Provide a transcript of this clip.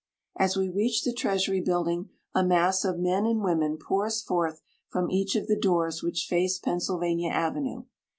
As we reach the Treasury building a mass of men and women pours forth from each of the doors which face Pennsylvania Avenue.